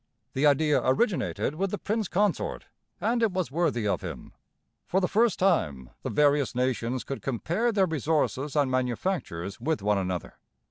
The idea originated with the Prince Consort, and it was worthy of him. For the first time the various nations could compare their resources and manufactures with one another.